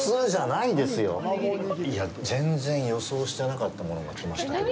いや、全然予想してなかったものが来ましたけど。